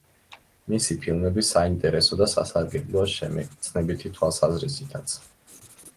მისი ფილმები საინტერესო და სასარგებლოა შემეცნებითი თვალსაზრისითაც.